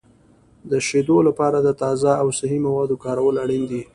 د شیدو لپاره د تازه او صحي موادو کارول اړین دي.